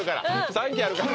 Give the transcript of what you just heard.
３機あるから！